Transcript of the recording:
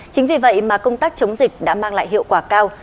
chính vì vậy mà công tác chống dịch đã mang lại hiệu quả cao